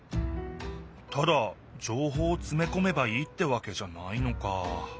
ただじょうほうをつめこめばいいってわけじゃないのか。